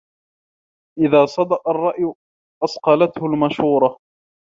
إذا صدأ الرأي أصقلته المشورة